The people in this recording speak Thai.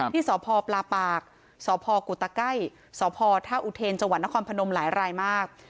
ที่สพปลาปากสพกุตไก้สพท่าอุเทนจังหวัดนครพนมหลายรายมาก